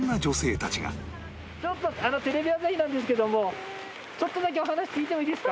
テレビ朝日なんですけどもちょっとだけお話聞いてもいいですか？